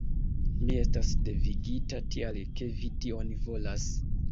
Mi estas devigita, tial ke vi tion volas.